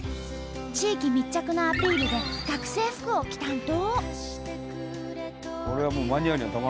地域密着のアピールで学生服を着たんと！